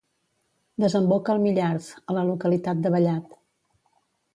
Desemboca al Millars a la localitat de Vallat.